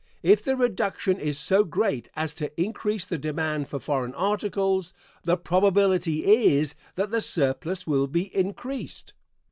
If the reduction is so great as to increase the demand for foreign articles, the probability is that the surplus will be increased.